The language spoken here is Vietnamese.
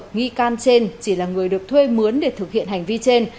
nghi can trên chỉ là người được thuê mướn để thực hiện hành vi trên